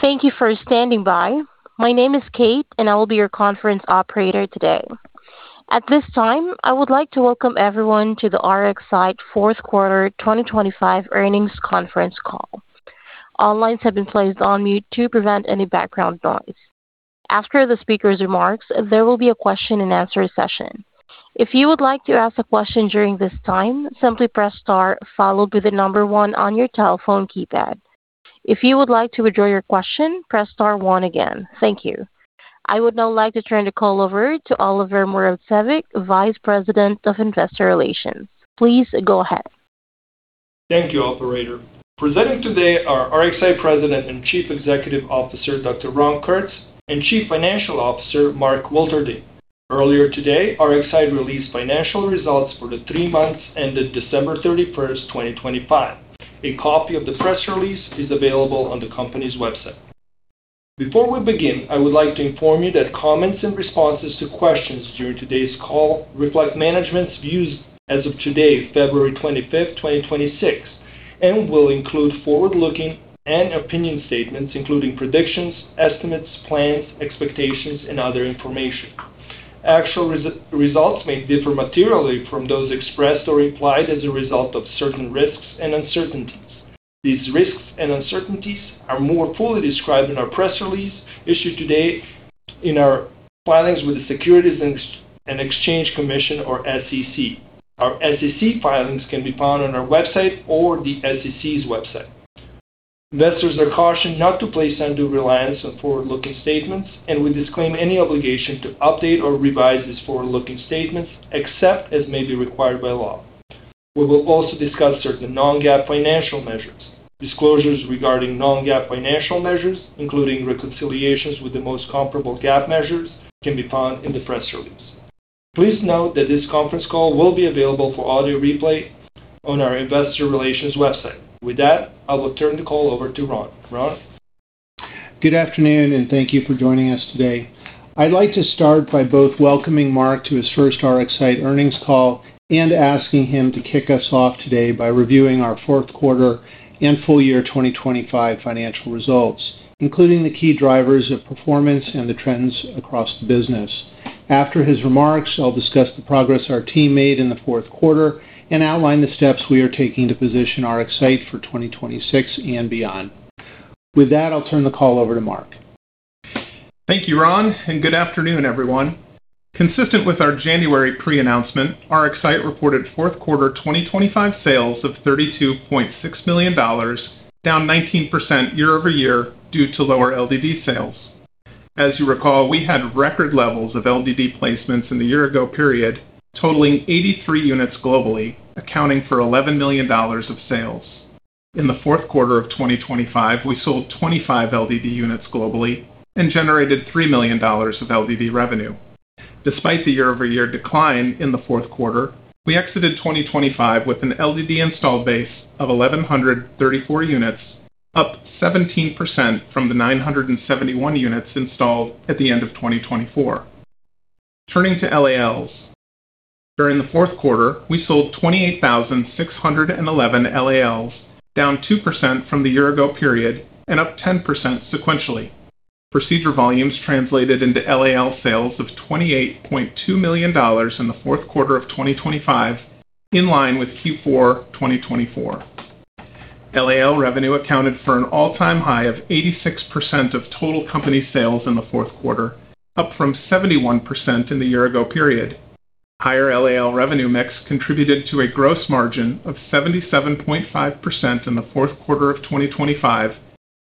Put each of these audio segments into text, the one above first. Thank you for standing by. My name is Kate, and I will be your conference operator today. At this time, I would like to welcome everyone to the RxSight fourth quarter 2025 earnings conference call. All lines have been placed on mute to prevent any background noise. After the speaker's remarks, there will be a question and answer session. If you would like to ask a question during this time, simply press star, followed by the number one on your telephone keypad. If you would like to withdraw your question, press star one again. Thank you. I would now like to turn the call over to Oliver Murovec, Vice President of Investor Relations. Please go ahead. Thank you, operator. Presenting today are RxSight President and Chief Executive Officer, Dr. Ron Kurtz, and Chief Financial Officer, Mark Wilterding. Earlier today, RxSight released financial results for the 3 months ended December 31st, 2025. A copy of the press release is available on the company's website. Before we begin, I would like to inform you that comments and responses to questions during today's call reflect management's views as of today, February 25th, 2026, and will include forward-looking and opinion statements, including predictions, estimates, plans, expectations, and other information. Actual results may differ materially from those expressed or implied as a result of certain risks and uncertainties. These risks and uncertainties are more fully described in our press release issued today in our filings with the Securities and Exchange Commission, or SEC. Our SEC filings can be found on our website or the SEC's website. Investors are cautioned not to place undue reliance on forward-looking statements, and we disclaim any obligation to update or revise these forward-looking statements except as may be required by law. We will also discuss certain non-GAAP financial measures. Disclosures regarding non-GAAP financial measures, including reconciliations with the most comparable GAAP measures, can be found in the press release. Please note that this conference call will be available for audio replay on our investor relations website. With that, I will turn the call over to Ron. Ron? Good afternoon, and thank you for joining us today. I'd like to start by both welcoming Mark to his first RxSight earnings call and asking him to kick us off today by reviewing our fourth quarter and full year 2025 financial results, including the key drivers of performance and the trends across the business. After his remarks, I'll discuss the progress our team made in the fourth quarter and outline the steps we are taking to position RxSight for 2026 and beyond. With that, I'll turn the call over to Mark. Thank you, Ron, and good afternoon, everyone. Consistent with our January pre-announcement, RxSight reported fourth quarter 2025 sales of $32.6 million, down 19% year-over-year due to lower LDD sales. As you recall, we had record levels of LDD placements in the year ago period, totaling 83 units globally, accounting for $11 million of sales. In the fourth quarter of 2025, we sold 25 LDD units globally and generated $3 million of LDD revenue. Despite the year-over-year decline in the fourth quarter, we exited 2025 with an LDD install base of 1,134 units, up 17% from the 971 units installed at the end of 2024. Turning to LALs. During the fourth quarter, we sold 28,611 LALs, down 2% from the year-ago period and up 10% sequentially. Procedure volumes translated into LAL sales of $28.2 million in the fourth quarter of 2025, in line with Q4 2024. LAL revenue accounted for an all-time high of 86% of total company sales in the fourth quarter, up from 71% in the year-ago period. Higher LAL revenue mix contributed to a gross margin of 77.5% in the fourth quarter of 2025,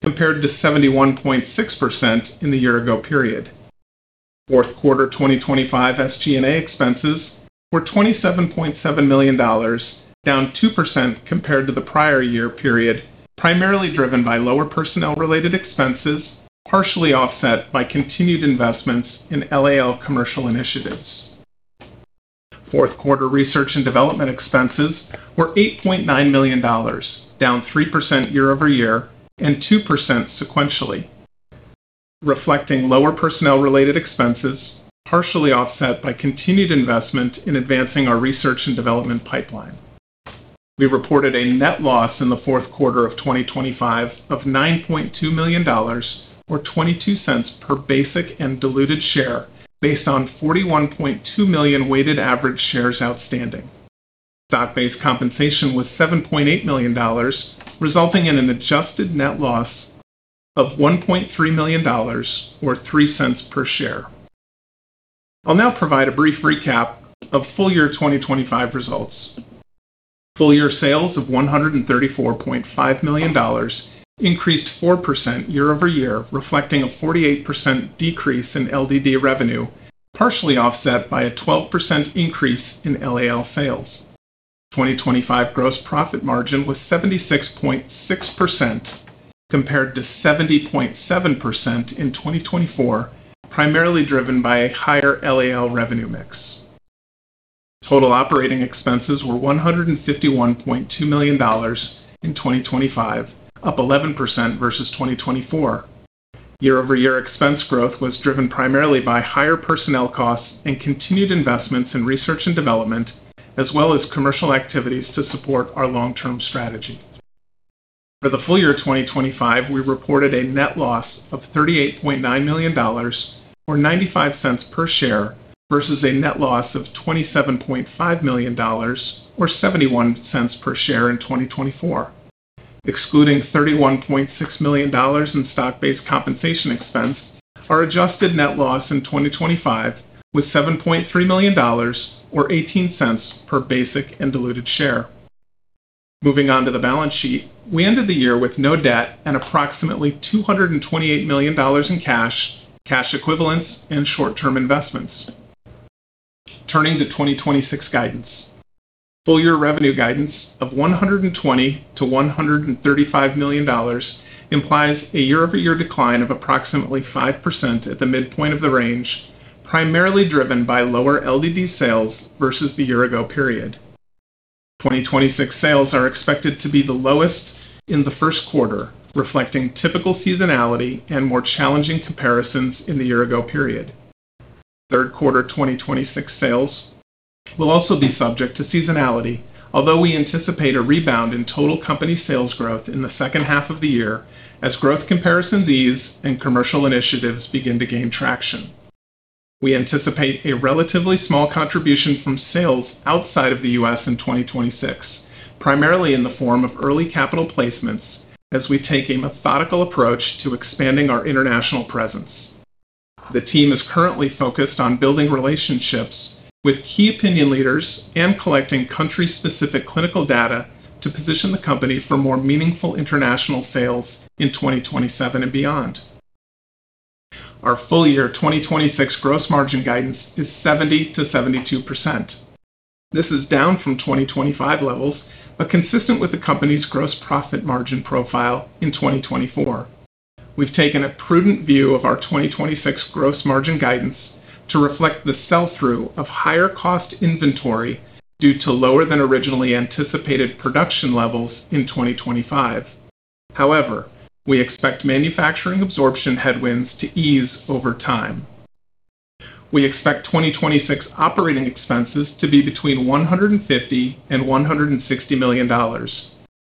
compared to 71.6% in the year-ago period. Fourth quarter 2025 SG&A expenses were $27.7 million, down 2% compared to the prior year period, primarily driven by lower personnel-related expenses, partially offset by continued investments in LAL commercial initiatives. Fourth quarter research and development expenses were $8.9 million, down 3% year-over-year and 2% sequentially, reflecting lower personnel-related expenses, partially offset by continued investment in advancing our research and development pipeline. We reported a net loss in the fourth quarter of 2025 of $9.2 million, or $0.22 per basic and diluted share, based on 41.2 million weighted average shares outstanding. Stock-based compensation was $7.8 million, resulting in an adjusted net loss of $1.3 million, or $0.03 per share. I'll now provide a brief recap of full year 2025 results. Full year sales of $134.5 million increased 4% year-over-year, reflecting a 48% decrease in LDD revenue, partially offset by a 12% increase in LAL sales. 2025 gross profit margin was 76.6%, compared to 70.7% in 2024, primarily driven by a higher LAL revenue mix. Total operating expenses were $151.2 million in 2025, up 11% versus 2024. Year-over-year expense growth was driven primarily by higher personnel costs and continued investments in research and development, as well as commercial activities to support our long-term strategy. For the full year 2025, we reported a net loss of $38.9 million, or $0.95 per share, versus a net loss of $27.5 million, or $0.71 per share in 2024. Excluding $31.6 million in stock-based compensation expense, our adjusted net loss in 2025 was $7.3 million, or $0.18 per basic and diluted share. Moving on to the balance sheet. We ended the year with no debt and approximately $228 million in cash equivalents, and short-term investments. Turning to 2026 guidance. Full-year revenue guidance of $120 million-$135 million implies a year-over-year decline of approximately 5% at the midpoint of the range, primarily driven by lower LDD sales versus the year-ago period. 2026 sales are expected to be the lowest in the first quarter, reflecting typical seasonality and more challenging comparisons in the year-ago period. Third quarter 2026 sales will also be subject to seasonality, although we anticipate a rebound in total company sales growth in the second half of the year as growth comparisons ease and commercial initiatives begin to gain traction. We anticipate a relatively small contribution from sales outside of the U.S. in 2026, primarily in the form of early capital placements, as we take a methodical approach to expanding our international presence. The team is currently focused on building relationships with key opinion leaders and collecting country-specific clinical data to position the company for more meaningful international sales in 2027 and beyond. Our full year 2026 gross margin guidance is 70%-72%. This is down from 2025 levels, but consistent with the company's gross profit margin profile in 2024. We've taken a prudent view of our 2026 gross margin guidance to reflect the sell-through of higher-cost inventory due to lower than originally anticipated production levels in 2025. However, we expect manufacturing absorption headwinds to ease over time. We expect 2026 operating expenses to be between $150 million-$160 million,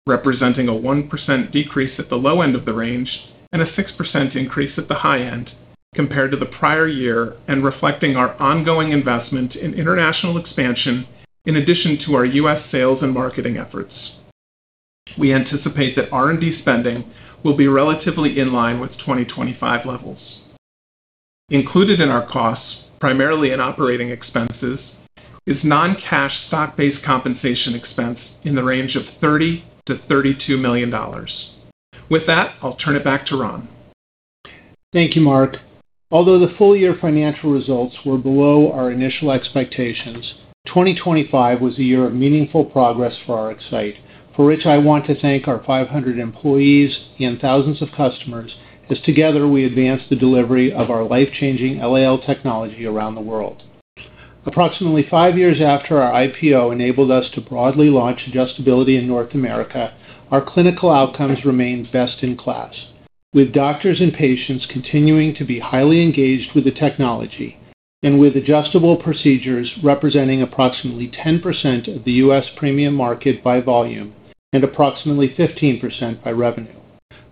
representing a 1% decrease at the low end of the range and a 6% increase at the high end compared to the prior year, and reflecting our ongoing investment in international expansion in addition to our U.S. sales and marketing efforts. We anticipate that R&D spending will be relatively in line with 2025 levels. Included in our costs, primarily in operating expenses, is non-cash stock-based compensation expense in the range of $30 million-$32 million. With that, I'll turn it back to Ron. Thank you, Mark. Although the full-year financial results were below our initial expectations, 2025 was a year of meaningful progress for our RxSight, for which I want to thank our 500 employees and thousands of customers, as together we advanced the delivery of our life-changing LAL technology around the world. Approximately 5 years after our IPO enabled us to broadly launch adjustability in North America, our clinical outcomes remain best-in-class, with doctors and patients continuing to be highly engaged with the technology and with adjustable procedures, representing approximately 10% of the U.S. premium market by volume and approximately 15% by revenue,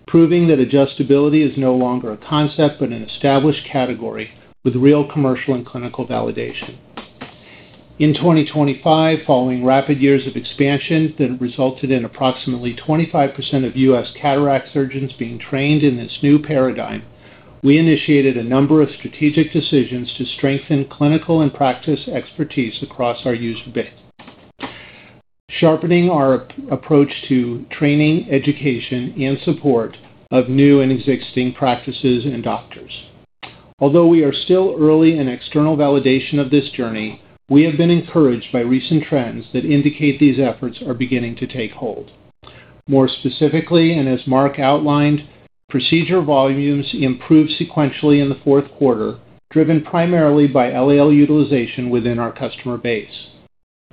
proving that adjustability is no longer a concept, but an established category with real commercial and clinical validation. In 2025, following rapid years of expansion that resulted in approximately 25% of U.S. cataract surgeons being trained in this new paradigm, we initiated a number of strategic decisions to strengthen clinical and practice expertise across our user base, sharpening our approach to training, education, and support of new and existing practices and doctors. Although we are still early in external validation of this journey, we have been encouraged by recent trends that indicate these efforts are beginning to take hold. More specifically, and as Mark outlined, procedure volumes improved sequentially in the fourth quarter, driven primarily by LAL utilization within our customer base.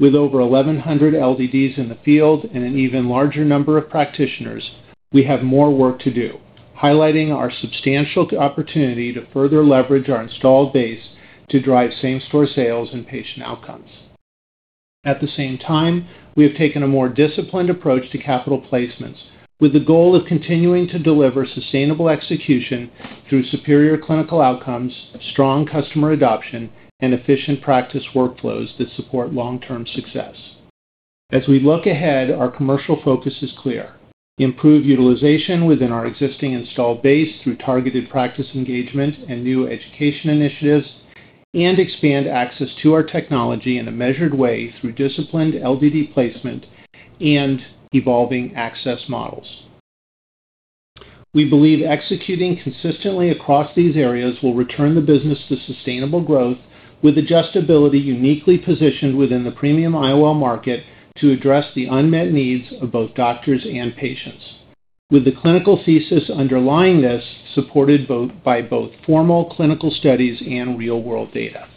With over 1,100 LDDs in the field and an even larger number of practitioners, we have more work to do, highlighting our substantial opportunity to further leverage our installed base to drive same-store sales and patient outcomes. At the same time, we have taken a more disciplined approach to capital placements, with the goal of continuing to deliver sustainable execution through superior clinical outcomes, strong customer adoption, and efficient practice workflows that support long-term success. As we look ahead, our commercial focus is clear. Improve utilization within our existing installed base through targeted practice engagement and new education initiatives, and expand access to our technology in a measured way through disciplined LDD placement and evolving access models. We believe executing consistently across these areas will return the business to sustainable growth, with adjustability uniquely positioned within the premium eyewear market to address the unmet needs of both doctors and patients, with the clinical thesis underlying this supported by both formal clinical studies and real-world data.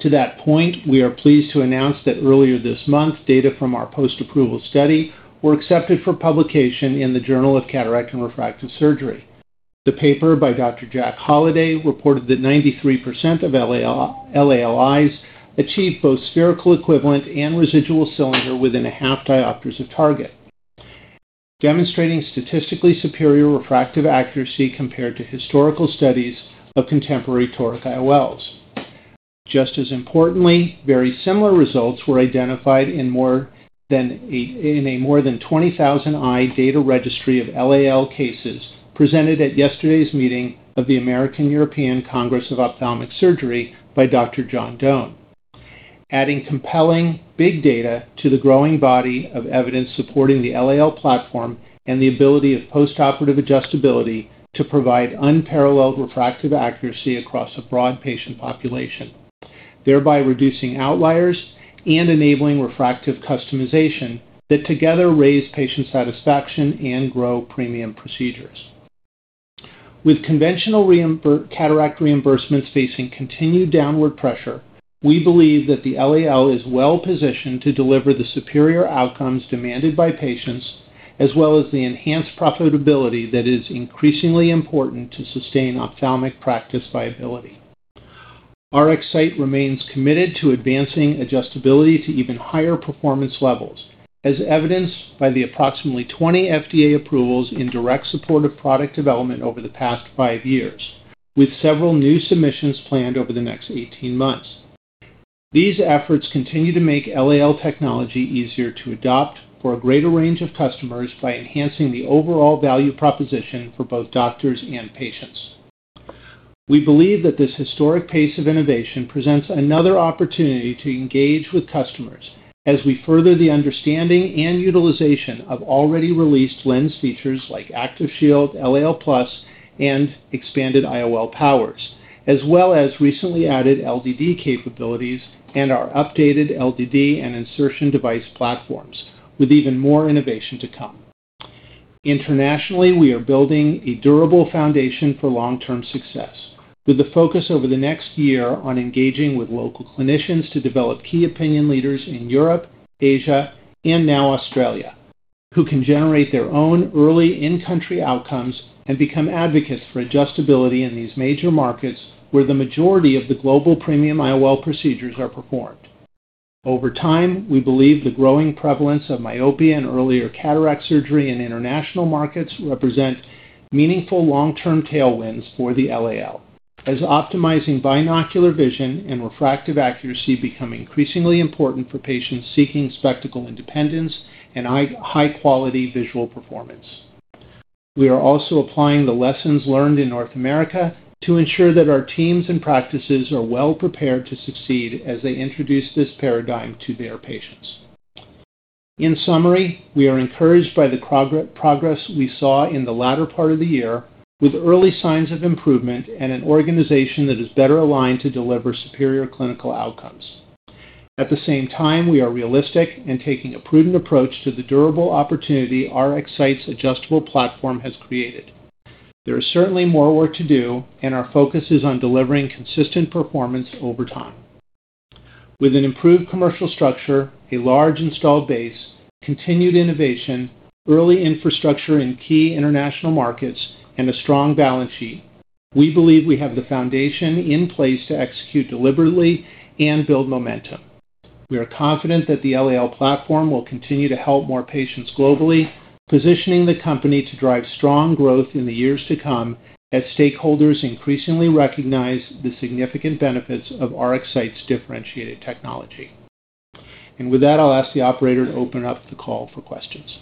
To that point, we are pleased to announce that earlier this month, data from our post-approval study were accepted for publication in the Journal of Cataract & Refractive Surgery. The paper by Dr. Jack Holladay reported that 93% of LALs achieved both spherical equivalent and residual cylinder within a half diopters of target, demonstrating statistically superior refractive accuracy compared to historical studies of contemporary toric IOLs. Just as importantly, very similar results were identified in a more than 20,000 eye data registry of LAL cases presented at yesterday's meeting of the American-European Congress of Ophthalmic Surgery by Dr. John Doane. Adding compelling big data to the growing body of evidence supporting the LAL platform and the ability of postoperative adjustability to provide unparalleled refractive accuracy across a broad patient population, thereby reducing outliers and enabling refractive customization that together raise patient satisfaction and grow premium procedures. With conventional cataract reimbursements facing continued downward pressure, we believe that the LAL is well positioned to deliver the superior outcomes demanded by patients, as well as the enhanced profitability that is increasingly important to sustain ophthalmic practice viability. RxSight remains committed to advancing adjustability to even higher performance levels, as evidenced by the approximately 20 FDA approvals in direct support of product development over the past five years, with several new submissions planned over the next 18 months. These efforts continue to make LAL technology easier to adopt for a greater range of customers by enhancing the overall value proposition for both doctors and patients. We believe that this historic pace of innovation presents another opportunity to engage with customers as we further the understanding and utilization of already released lens features like ActivShield, LAL+, and expanded IOL powers, as well as recently added LDD capabilities and our updated LDD and insertion device platforms, with even more innovation to come. Internationally, we are building a durable foundation for long-term success, with a focus over the next year on engaging with local clinicians to develop key opinion leaders in Europe, Asia, and now Australia, who can generate their own early in-country outcomes and become advocates for adjustability in these major markets, where the majority of the global premium IOL procedures are performed. Over time, we believe the growing prevalence of myopia and earlier cataract surgery in international markets represent meaningful long-term tailwinds for the LAL, as optimizing binocular vision and refractive accuracy become increasingly important for patients seeking spectacle independence and eye, high-quality visual performance. We are also applying the lessons learned in North America to ensure that our teams and practices are well prepared to succeed as they introduce this paradigm to their patients. In summary, we are encouraged by the progress we saw in the latter part of the year, with early signs of improvement and an organization that is better aligned to deliver superior clinical outcomes. At the same time, we are realistic and taking a prudent approach to the durable opportunity RxSight's adjustable platform has created. There is certainly more work to do, and our focus is on delivering consistent performance over time. With an improved commercial structure, a large installed base, continued innovation, early infrastructure in key international markets, and a strong balance sheet, we believe we have the foundation in place to execute deliberately and build momentum. We are confident that the LAL platform will continue to help more patients globally, positioning the company to drive strong growth in the years to come, as stakeholders increasingly recognize the significant benefits of RxSight's differentiated technology. With that, I'll ask the operator to open up the call for questions.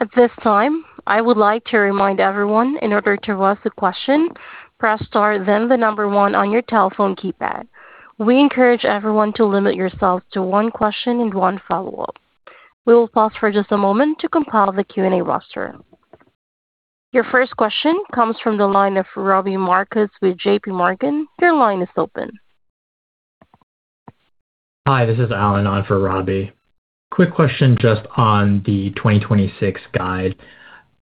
At this time, I would like to remind everyone, in order to ask a question, press star, then one on your telephone keypad. We encourage everyone to limit yourselves to one question and one follow-up. We will pause for just a moment to compile the Q&A roster. Your first question comes from the line of Robbie Marcus with J.P. Morgan. Your line is open. Hi, this is Alan on for Robbie. Quick question just on the 2026 guide.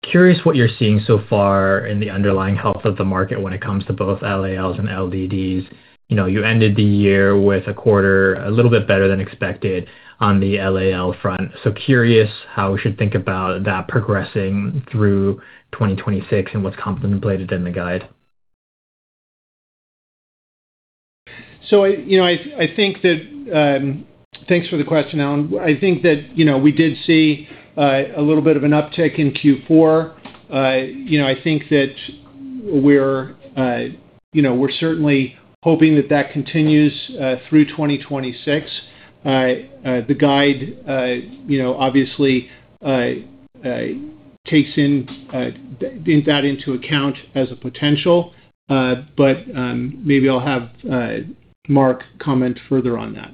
Curious what you're seeing so far in the underlying health of the market when it comes to both LALs and LDDs. You know, you ended the year with a quarter, a little bit better than expected on the LAL front. Curious how we should think about that progressing through 2026 and what's contemplated in the guide. I, you know, I think that. Thanks for the question, Alan. I think that, you know, we did see a little bit of an uptick in Q4. You know, I think that we're, you know, we're certainly hoping that that continues through 2026. The guide, you know, obviously, takes in that into account as a potential, but maybe I'll have Mark comment further on that.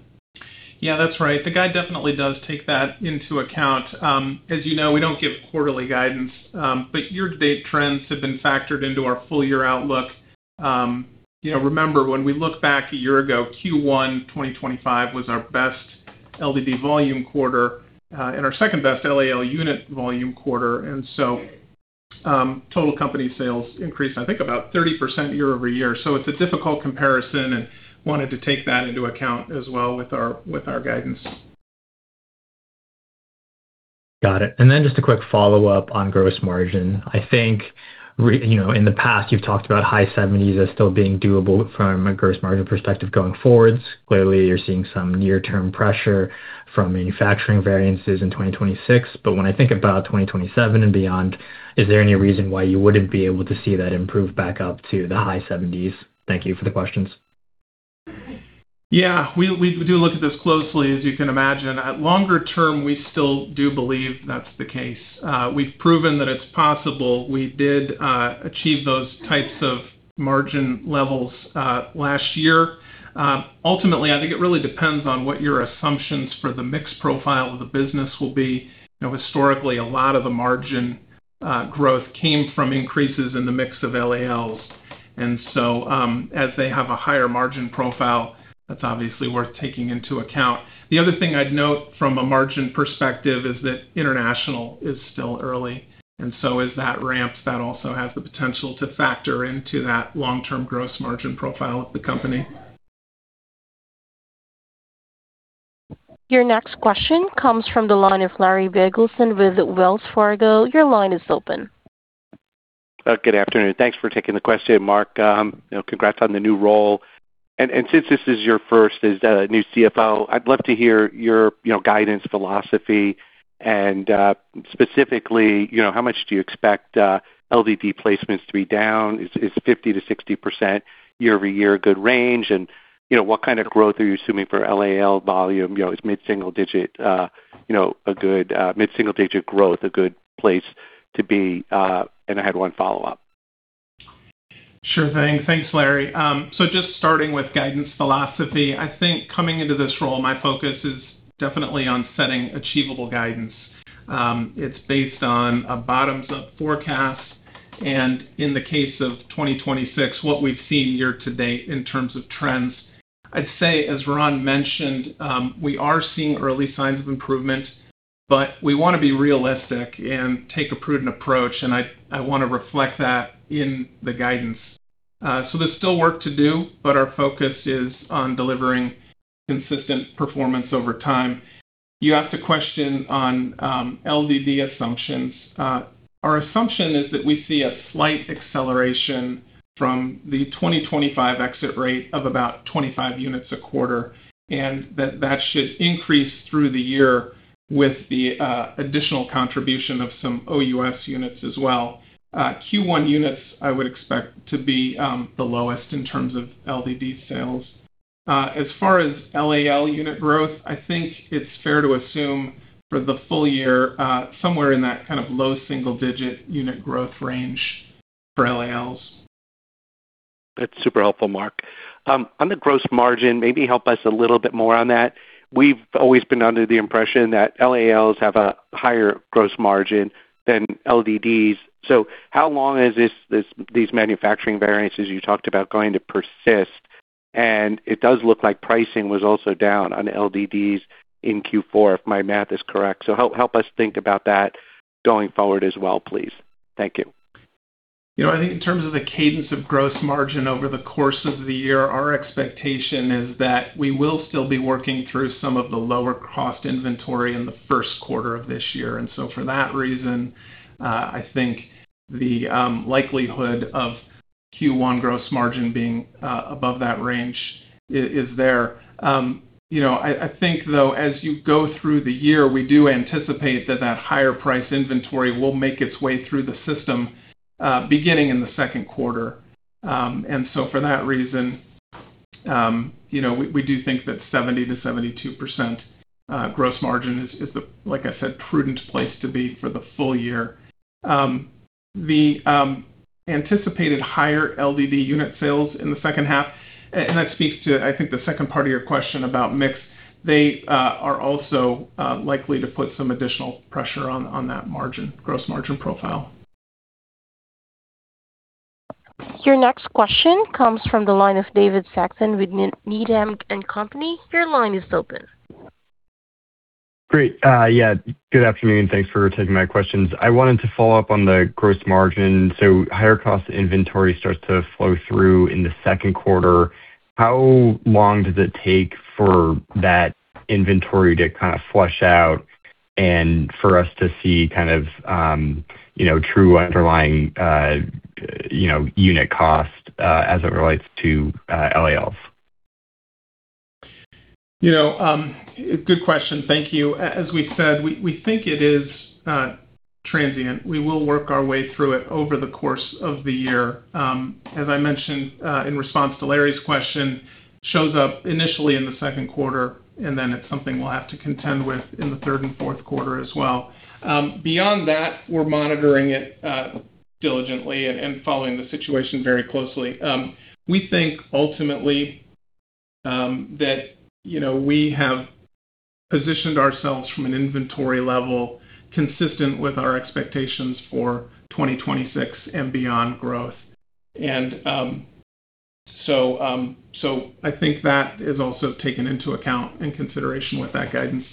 Yeah, that's right. The guide definitely does take that into account. As you know, we don't give quarterly guidance, but year-to-date trends have been factored into our full-year outlook. You know, remember, when we look back a year ago, Q1 2025 was our best LDD volume quarter, and our second-best LAL unit volume quarter. Total company sales increased, I think, about 30% year-over-year. It's a difficult comparison, and wanted to take that into account as well with our, with our guidance. Just a quick follow-up on gross margin. I think, you know, in the past, you've talked about high 70s as still being doable from a gross margin perspective going forwards. Clearly, you're seeing some near-term pressure from manufacturing variances in 2026. When I think about 2027 and beyond, is there any reason why you wouldn't be able to see that improve back up to the high 70s? Thank you for the questions. Yeah, we do look at this closely, as you can imagine. At longer term, we still do believe that's the case. We've proven that it's possible. We did achieve those types of margin levels last year. Ultimately, I think it really depends on what your assumptions for the mix profile of the business will be. You know, historically, a lot of the margin growth came from increases in the mix of LALs. As they have a higher margin profile, that's obviously worth taking into account. The other thing I'd note from a margin perspective is that international is still early, and so as that ramps, that also has the potential to factor into that long-term gross margin profile of the company. Your next question comes from the line of Larry Biegelsen with Wells Fargo. Your line is open. Good afternoon. Thanks for taking the question, Mark. You know, congrats on the new role. Since this is your first as new CFO, I'd love to hear your, you know, guidance, philosophy, and specifically, you know, how much do you expect LDD placements to be down? Is 50%-60% year-over-year a good range? You know, what kind of growth are you assuming for LAL volume? You know, is mid-single digit, you know, a good mid-single digit growth, a good place to be? I had one follow-up. Sure thing. Thanks, Larry. Just starting with guidance philosophy, I think coming into this role, my focus is definitely on setting achievable guidance. It's based on a bottoms-up forecast. In the case of 2026, what we've seen year-to-date in terms of trends. I'd say, as Ron mentioned, we are seeing early signs of improvement, but we want to be realistic and take a prudent approach, and I want to reflect that in the guidance. There's still work to do, but our focus is on delivering consistent performance over time. You asked a question on LDD assumptions. Our assumption is that we see a slight acceleration from the 2025 exit rate of about 25 units a quarter, and that should increase through the year with the additional contribution of some OUS units as well. Q1 units, I would expect to be the lowest in terms of LDD sales. As far as LAL unit growth, I think it's fair to assume for the full year, somewhere in that kind of low single-digit unit growth range for LALs. That's super helpful, Mark. On the gross margin, maybe help us a little bit more on that. We've always been under the impression that LALs have a higher gross margin than LDDs. How long is these manufacturing variances you talked about going to persist? It does look like pricing was also down on LDDs in Q4, if my math is correct. Help us think about that going forward as well, please. Thank you. You know, I think in terms of the cadence of gross margin over the course of the year, our expectation is that we will still be working through some of the lower-cost inventory in the first quarter of this year. For that reason, I think the likelihood of Q1 gross margin being above that range is there. You know, I think, though, as you go through the year, we do anticipate that that higher price inventory will make its way through the system, beginning in the second quarter. For that reason, you know, we do think that 70%-72% gross margin is the, like I said, prudent place to be for the full year. The anticipated higher LDD unit sales in the second half. That speaks to, I think, the second part of your question about mix. They are also likely to put some additional pressure on that margin, gross margin profile. Your next question comes from the line of David Saxon with Needham & Company. Your line is open. Great. Yeah, good afternoon, thanks for taking my questions. I wanted to follow up on the gross margin. Higher cost inventory starts to flow through in the second quarter. How long does it take for that inventory to kind of flush out and for us to see kind of, you know, true underlying, you know, unit cost, as it relates to LALs? You know, good question. Thank you. As we said, we think it is transient. We will work our way through it over the course of the year. As I mentioned, in response to Larry's question, shows up initially in the second quarter, then it's something we'll have to contend with in the third and fourth quarter as well. Beyond that, we're monitoring it diligently and following the situation very closely. We think ultimately that, you know, we have positioned ourselves from an inventory level consistent with our expectations for 2026 and beyond growth. I think that is also taken into account in consideration with that guidance.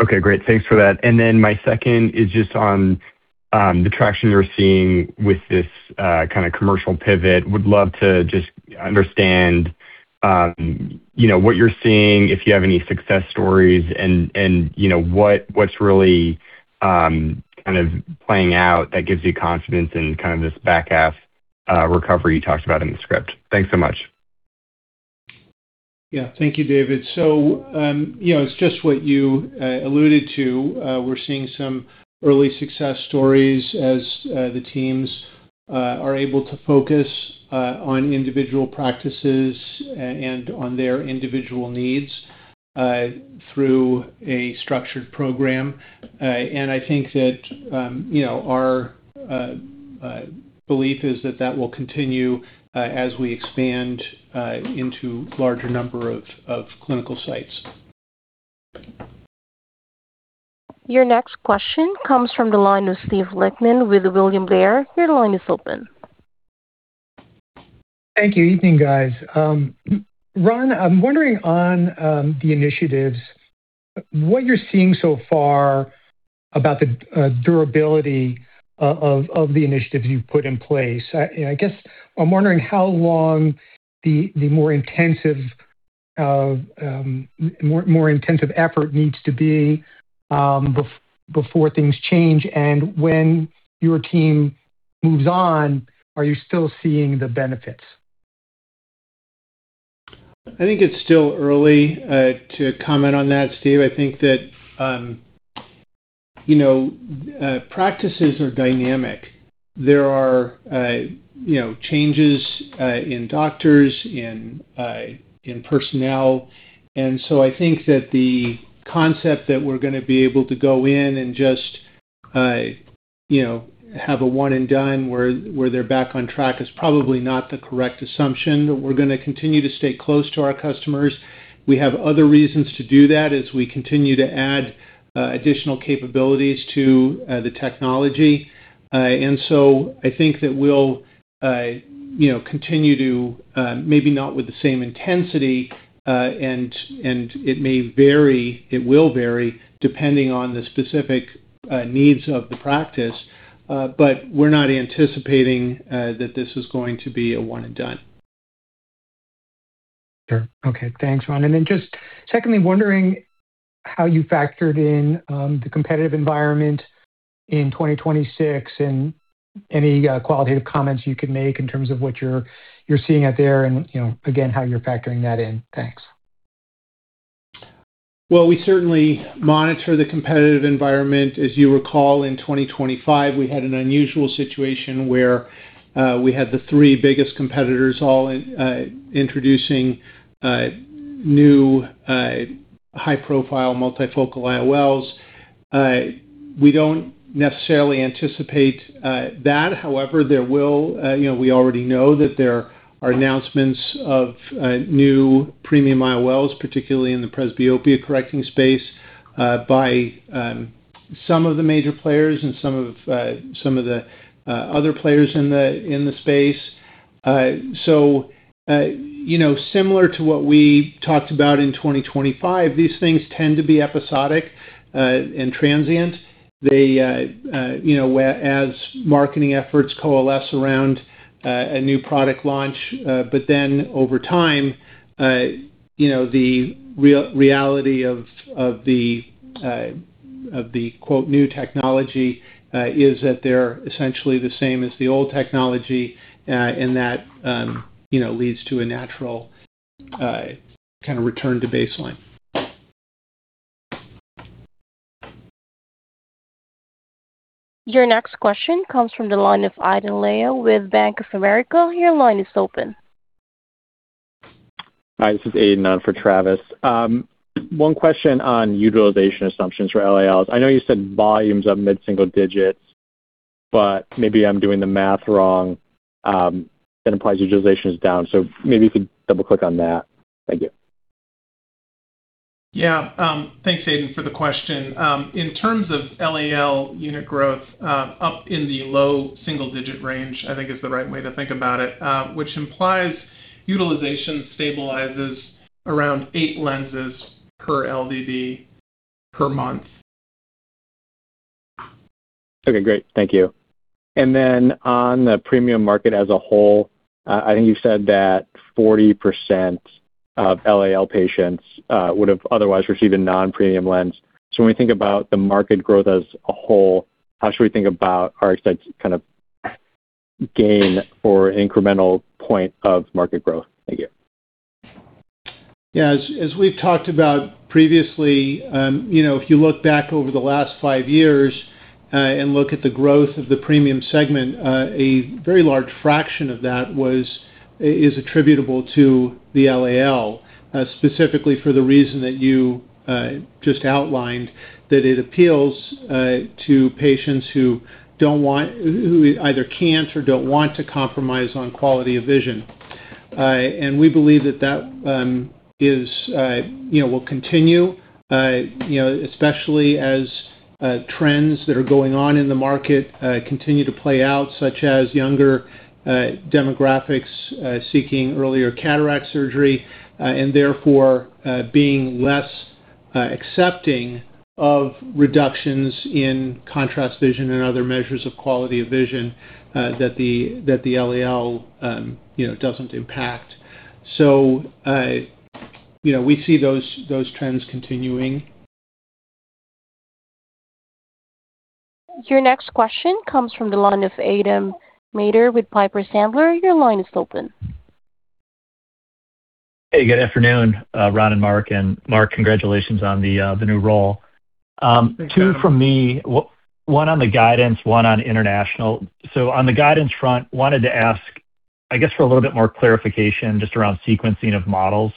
Okay, great. Thanks for that. My second is just on, the traction you're seeing with this, kind of commercial pivot. Would love to just understand, you know, what you're seeing, if you have any success stories and you know, what's really, kind of playing out that gives you confidence in kind of this back half, recovery you talked about in the script. Thanks so much. Yeah. Thank you, David. You know, it's just what you alluded to. We're seeing some early success stories as the teams are able to focus on individual practices and on their individual needs through a structured program. I think that, you know, our belief is that that will continue as we expand into larger number of clinical sites. Your next question comes from the line of Steven Lichtman with William Blair. Your line is open. Thank you. Evening, guys. Ron, I'm wondering on the initiatives, what you're seeing so far about the durability of the initiatives you've put in place. I guess I'm wondering how long the more intensive effort needs to be before things change, and when your team moves on, are you still seeing the benefits? I think it's still early to comment on that, Steve. I think that, you know, practices are dynamic. There are, you know, changes in doctors, in personnel, and so I think that the concept that we're gonna be able to go in and just, you know, have a one and done, where they're back on track, is probably not the correct assumption. We're gonna continue to stay close to our customers. We have other reasons to do that as we continue to add additional capabilities to the technology. I think that we'll, you know, continue to maybe not with the same intensity, and it may vary, it will vary, depending on the specific needs of the practice. We're not anticipating that this is going to be a one and done. Sure. Okay, thanks, Ron. Just secondly, wondering how you factored in the competitive environment in 2026 and any qualitative comments you could make in terms of what you're seeing out there and, you know, again, how you're factoring that in. Thanks. Well, we certainly monitor the competitive environment. As you recall, in 2025, we had an unusual situation where we had the three biggest competitors all in introducing new high-profile multifocal IOLs. We don't necessarily anticipate that. However, there will, you know, we already know that there are announcements of new premium IOLs, particularly in the presbyopia-correcting space, by some of the major players and some of some of the other players in the in the space. So, you know, similar to what we talked about in 2025, these things tend to be episodic and transient. They, you know, whereas marketing efforts coalesce around a new product launch. Over time, you know, the reality of the, quote, new technology, is that they're essentially the same as the old technology. That, you know, leads to a natural kind of return to baseline. Your next question comes from the line of Anthony Petrone with Bank of America. Your line is open. Hi, this is Anthony Petrone for Travis. One question on utilization assumptions for LALs. I know you said volumes up mid-single digit, but maybe I'm doing the math wrong, that implies utilization is down, so maybe you could double-click on that. Thank you. Thanks, Aidan, for the question. In terms of LAL unit growth, up in the low single-digit range, I think is the right way to think about it, which implies utilization stabilizes around 8 lenses per LDD per month. Okay, great. Thank you. On the premium market as a whole, I think you said that 40% of LAL patients would have otherwise received a non-premium lens. When we think about the market growth as a whole, how should we think about RxSight kind of gain or incremental point of market growth? Thank you. Yeah, as we've talked about previously, you know, if you look back over the last five years, and look at the growth of the premium segment, a very large fraction of that was, is attributable to the LAL, specifically for the reason that you just outlined, that it appeals to patients who either can't or don't want to compromise on quality of vision. We believe that that is, you know, will continue, you know, especially as trends that are going on in the market, continue to play out, such as younger demographics, seeking earlier cataract surgery, and therefore, being less accepting of reductions in contrast, vision, and other measures of quality of vision, that the LAL, you know, doesn't impact. You know, we see those trends continuing. Your next question comes from the line of Adam Maeder with Piper Sandler. Your line is open. Hey, good afternoon, Ron and Mark, and Mark, congratulations on the new role. Thanks, Adam. Two from me. One on the guidance, one on international. On the guidance front, wanted to ask, I guess, for a little bit more clarification, just around sequencing of models.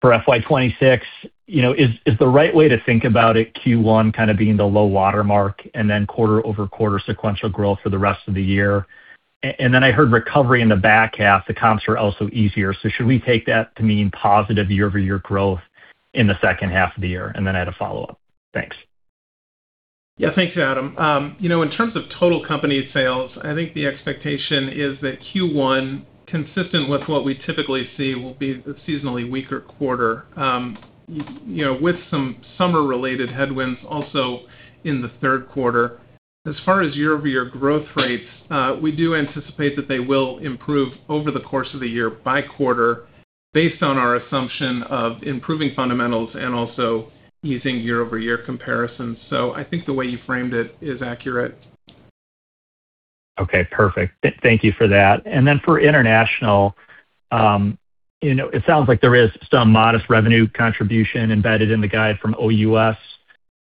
For FY 2026, you know, is the right way to think about it, Q1 kind of being the low water mark and then quarter-over-quarter sequential growth for the rest of the year? Then I heard recovery in the back half, the comps were also easier. Should we take that to mean positive year-over-year growth in the second half of the year? Then I had a follow-up. Thanks. Yeah, thanks, Adam. You know, in terms of total company sales, I think the expectation is that Q1, consistent with what we typically see, will be a seasonally weaker quarter, you know, with some summer-related headwinds also in the third quarter. As far as year-over-year growth rates, we do anticipate that they will improve over the course of the year by quarter, based on our assumption of improving fundamentals and also easing year-over-year comparisons. I think the way you framed it is accurate. Okay, perfect. Thank you for that. For international, you know, it sounds like there is some modest revenue contribution embedded in the guide from OUS.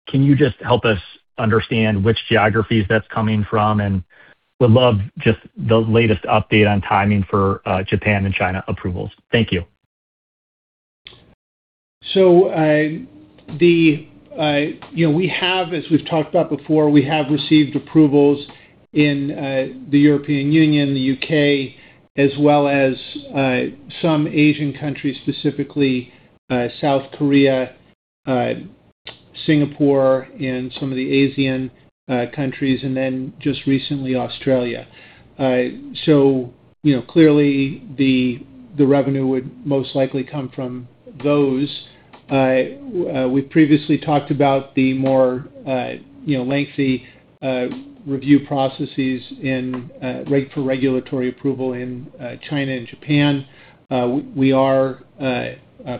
Can you just help us understand which geographies that's coming from? And would love just the latest update on timing for Japan and China approvals. Thank you. I, the, you know, we have, as we've talked about before, we have received approvals in the European Union, the U.K., as well as some Asian countries, specifically South Korea, Singapore and some of the Asian countries, and then just recently, Australia. You know, clearly the revenue would most likely come from those. We previously talked about the more, you know, lengthy review processes for regulatory approval in China and Japan. We are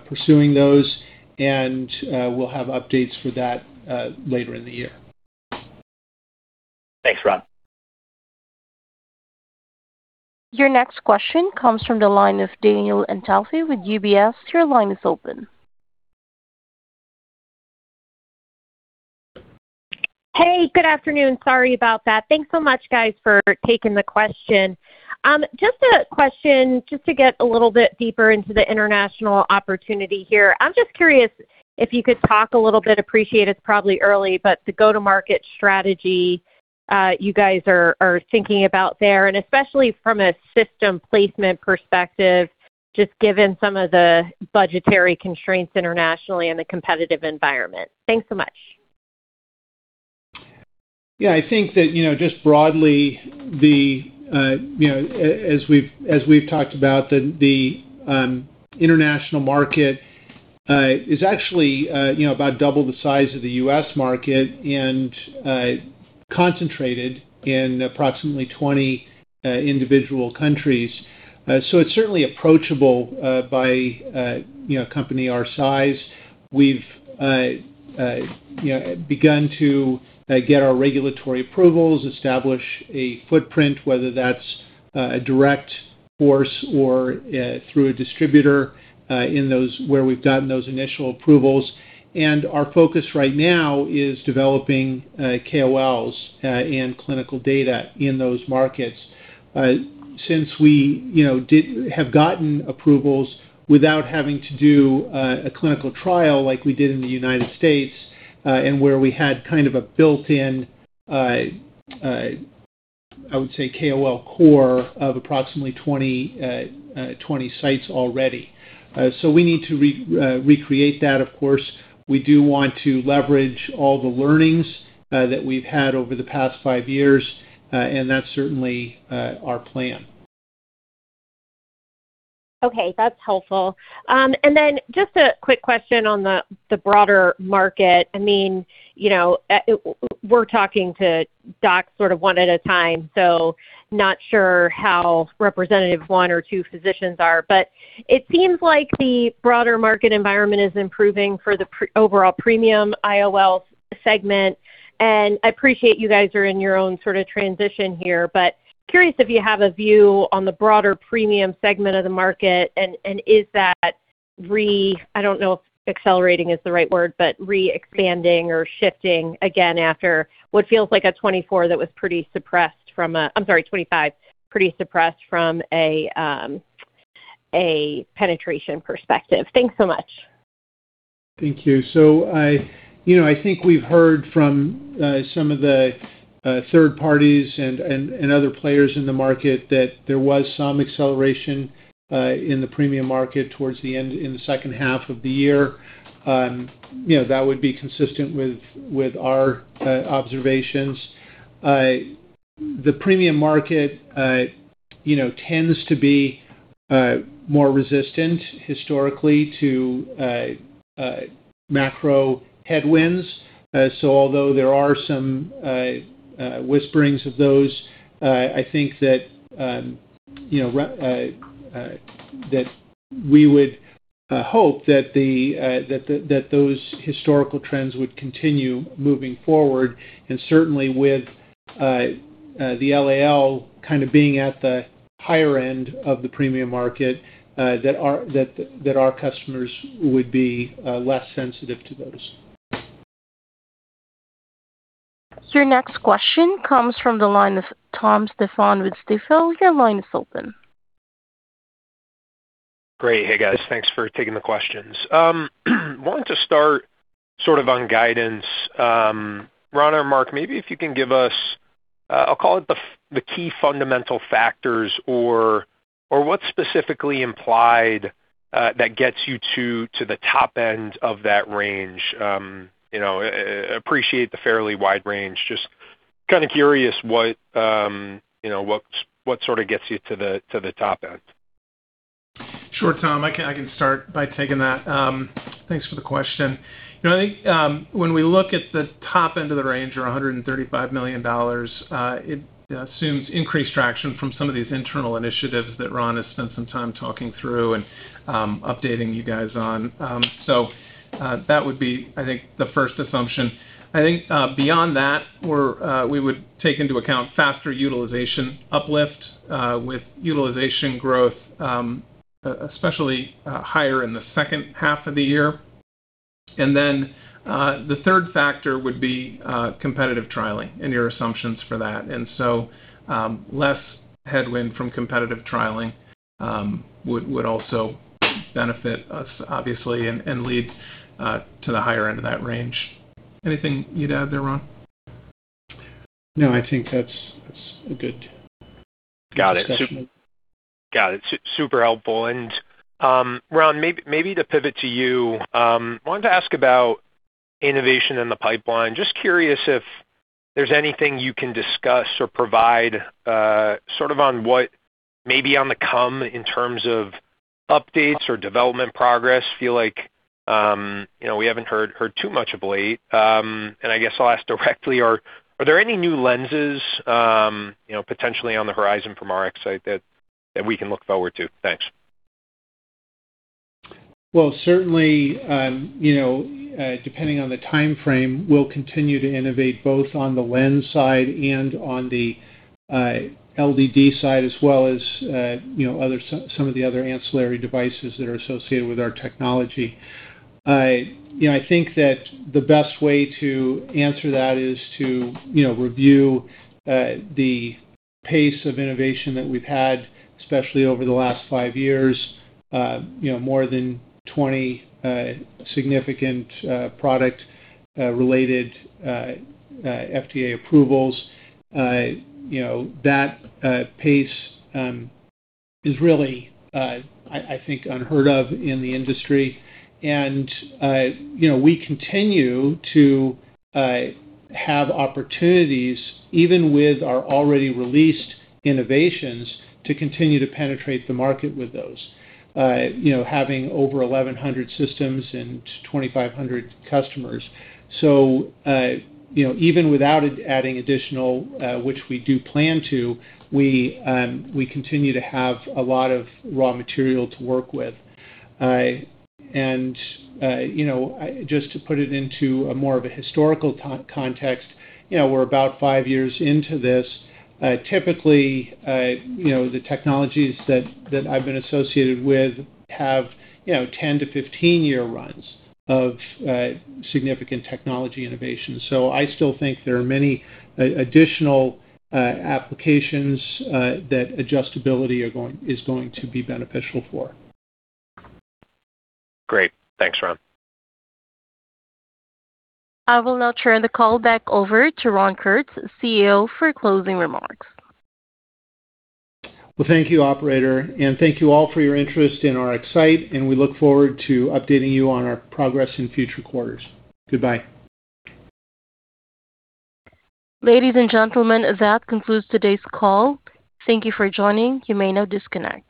pursuing those, and we'll have updates for that later in the year. Thanks, Ron. Your next question comes from the line of Danielle Antalffy with UBS. Your line is open. Hey, good afternoon. Sorry about that. Thanks so much, guys, for taking the question. Just a question just to get a little bit deeper into the international opportunity here. I'm just curious if you could talk a little bit, appreciate it's probably early, but the go-to-market strategy you guys are thinking about there, and especially from a system placement perspective, just given some of the budgetary constraints internationally and the competitive environment. Thanks so much. Yeah, I think that, you know, just broadly, the, you know, as we've talked about, the international market, is actually, you know, about double the size of the U.S. market and concentrated in approximately 20 individual countries. It's certainly approachable by, you know, a company our size. We've, you know, begun to get our regulatory approvals, establish a footprint, whether that's a direct force or through a distributor, in those where we've gotten those initial approvals. Our focus right now is developing KOLs and clinical data in those markets. Since we, you know, have gotten approvals without having to do a clinical trial like we did in the United States, where we had kind of a built-in, I would say, KOL core of approximately 20 sites already. We need to recreate that. Of course, we do want to leverage all the learnings that we've had over the past five years, that's certainly our plan. Okay, that's helpful. Then just a quick question on the broader market. I mean, you know, we're talking to docs sort of one at a time, so not sure how representative one or two physicians are, but it seems like the broader market environment is improving for the overall premium IOL segment. I appreciate you guys are in your own sort of transition here, but curious if you have a view on the broader premium segment of the market, and, is that I don't know if accelerating is the right word, but re-expanding or shifting again after what feels like a 24 that was pretty suppressed from a, I'm sorry, 25, pretty suppressed from a penetration perspective? Thanks so much. Thank you. I, you know, I think we've heard from some of the third parties and other players in the market that there was some acceleration in the premium market towards the end in the second half of the year. You know, that would be consistent with our observations. The premium market, you know, tends to be more resistant historically to macro headwinds. Although there are some whisperings of those, I think that, you know, that we would hope that the that those historical trends would continue moving forward, and certainly with the LAL kind of being at the higher end of the premium market, that our customers would be less sensitive to those. Your next question comes from the line of Tom Stephan with Stifel. Your line is open. Great. Hey, guys, thanks for taking the questions. Wanted to start sort of on guidance. Ron or Mark, maybe if you can give us, I'll call it the key fundamental factors or what's specifically implied that gets you to the top end of that range. You know, appreciate the fairly wide range. Just kind of curious what, you know, what sort of gets you to the top end? Sure, Tom, I can start by taking that. Thanks for the question. You know, I think, when we look at the top end of the range, or $135 million, it assumes increased traction from some of these internal initiatives that Ron has spent some time talking through and updating you guys on. That would be, I think, the first assumption. I think, beyond that, we would take into account faster utilization uplift, with utilization growth, especially higher in the second half of the year. The third factor would be competitive trialing and your assumptions for that. Less headwind from competitive trialing would also benefit us, obviously, and lead to the higher end of that range. Anything you'd add there, Ron? No, I think that's a good- Got it. Discussion. Got it. Super helpful. Ron, maybe to pivot to you, wanted to ask about innovation in the pipeline. Just curious if there's anything you can discuss or provide, sort of on what may be on the come in terms of updates or development progress. Feel like, you know, we haven't heard too much of late. I guess I'll ask directly, are there any new lenses, you know, potentially on the horizon from RxSight that we can look forward to? Thanks. Well, certainly, you know, depending on the time frame, we'll continue to innovate both on the lens side and on the LDD side, as well as, you know, some of the other ancillary devices that are associated with our technology. I, you know, I think that the best way to answer that is to, you know, review the pace of innovation that we've had, especially over the last five years. You know, more than 20 significant product related FDA approvals. You know, that pace is really, I think, unheard of in the industry. You know, we continue to have opportunities, even with our already released innovations, to continue to penetrate the market with those. You know, having over 1,100 systems and 2,500 customers. you know, even without adding additional, which we do plan to, we continue to have a lot of raw material to work with. You know, just to put it into a more of a historical context, you know, we're about 5 years into this. Typically, you know, the technologies that I've been associated with have, you know, 10-15-year runs of significant technology innovations. So I still think there are many additional applications that adjustability is going to be beneficial for. Great. Thanks, Ron. I will now turn the call back over to Ron Kurtz, CEO, for closing remarks. Well, thank you, Operator, and thank you all for your interest in RxSight, and we look forward to updating you on our progress in future quarters. Goodbye. Ladies and gentlemen, that concludes today's call. Thank you for joining. You may now disconnect.